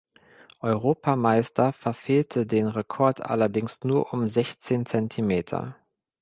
Europameister verfehlte den Rekord allerdings nur um sechzehn Zentimeter.